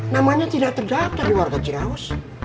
namanya tidak terdaftar di warga ciraus